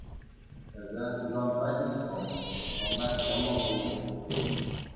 Эсӗ тутанса ҫеҫ пӑх, хӑвна ҫӑмӑл пулӗ.